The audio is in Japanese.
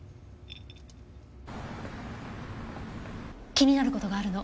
気になる事があるの。